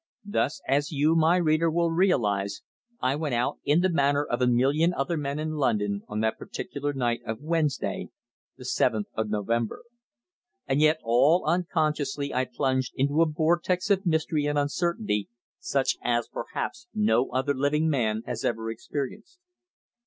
Thus, as you, my reader, will realize, I went out in the manner of a million other men in London on that particular night of Wednesday, the seventh of November. And yet all unconsciously I plunged into a vortex of mystery and uncertainty such as, perhaps, no other living man has ever experienced.